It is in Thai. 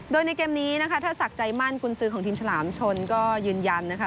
โดยในเกมนี้นะคะเทิดศักดิ์ใจมั่นกุญสือของทีมฉลามชนก็ยืนยันนะคะ